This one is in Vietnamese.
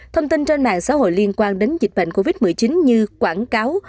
thông tin trên mạng xã hội liên quan đến dịch bệnh covid một mươi chín như quảng cáo